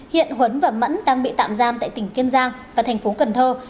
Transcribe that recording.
hiện huấn và mẫn đang bị tạm giam tại tỉnh kiên giang và thành phố cần thơ